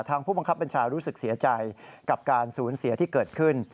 ผู้บังคับบัญชารู้สึกเสียใจกับการสูญเสียที่เกิดขึ้น